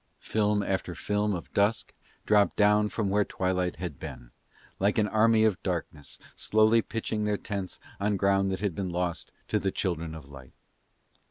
Film after film of dusk dropped down from where twilight had been, like an army of darkness slowly pitching their tents on ground that had been lost to the children of light.